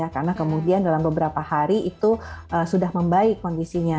karena kemudian dalam beberapa hari itu sudah membaik kondisinya